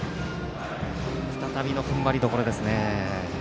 再びのふんばりどころですね。